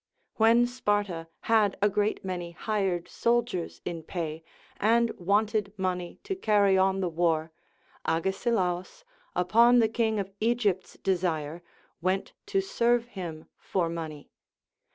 When Sparta had a gre.it many hired soldiers in pay, and wanted money to carry on the war, Agesilaus, upon the king of Egypt's desire, went to serve him for money.